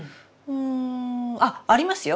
うんあっありますよ！